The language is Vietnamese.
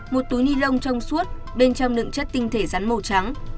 một túi ni lông trong suốt bên trong đựng chất tinh thể rắn màu trắng